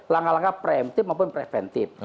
langkah langkah preventif maupun preventif